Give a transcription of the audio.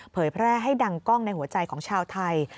แพร่ให้ดังกล้องในหัวใจของชาวไทย